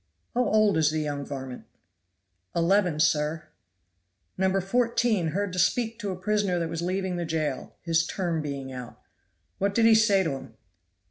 "How old is the young varmint?" "Eleven, sir." "No. 14 heard to speak to a prisoner that was leaving the jail, his term being out. What did he say to him?"